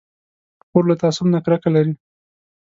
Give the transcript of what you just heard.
خور له تعصب نه کرکه لري.